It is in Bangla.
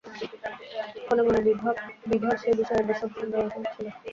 মনে মনে বিভার সে-বিষয়ে বিষম সন্দেহ ছিল।